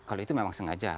kalau itu memang sengaja